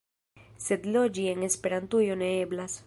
Sed loĝi en Esperantujo ne eblas.